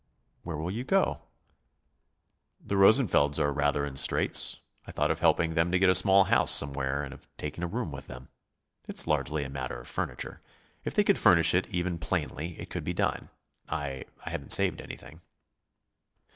"Where will you go?" "The Rosenfelds are rather in straits. I thought of helping them to get a small house somewhere and of taking a room with them. It's largely a matter of furniture. If they could furnish it even plainly, it could be done. I haven't saved anything."